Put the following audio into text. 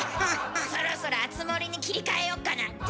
そろそろあつ森に切り替えよっかなって。